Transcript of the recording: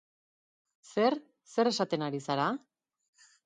Zer... zer esaten ari zara?